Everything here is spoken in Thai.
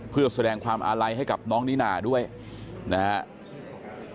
เพื่อแสดงความอาลัยให้กับน้องนิน่าด้วยนะครับ